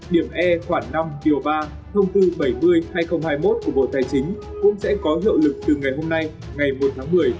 điểm e khoảng năm điều ba thông tư bảy mươi hai nghìn hai mươi một của bộ tài chính cũng sẽ có hiệu lực từ ngày hôm nay ngày một tháng một mươi